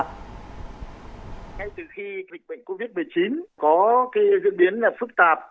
ngay từ khi lịch bệnh covid một mươi chín có cái diễn biến phức tạp